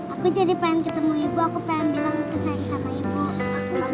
aku jadi pengen ketemu ibu aku pengen bilang ke saya sama ibu